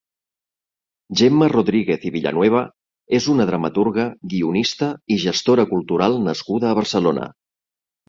Gemma Rodríguez i Villanueva és una dramaturga, guionista i gestora cultural nascuda a Barcelona.